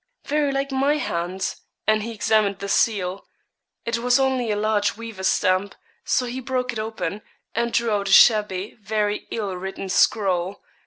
'Very like my hand,' and he examined the seal. It was only a large wafer stamp, so he broke it open, and drew out a shabby, very ill written scroll.